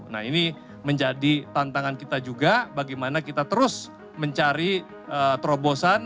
nah ini menjadi tantangan kita juga bagaimana kita terus mencari terobosan